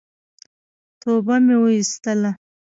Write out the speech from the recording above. توبه مي واېستله !